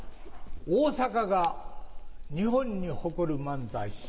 大阪が日本に誇る漫才師。